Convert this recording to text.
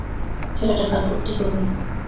ছেলেটা কাল পথ্যি করবে।